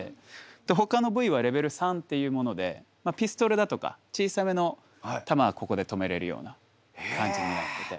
でほかの部位はレベル３っていうものでピストルだとか小さめの弾はここで止めれるような感じになってて。